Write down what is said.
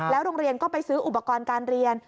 โรงเรียนก็ไปซื้ออุปกรณ์การเรียน